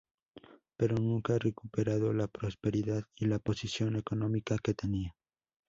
Pero nunca ha recuperado la prosperidad y la posición económica que tenía.